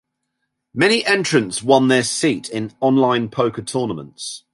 Many entrants won their seat in online poker tournaments.